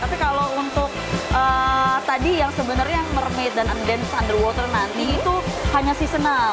tapi kalau untuk tadi yang sebenarnya yang mermaid dance underwater nanti itu hanya seasonal